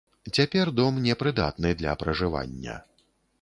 Цяпер дом не прыдатны для пражывання.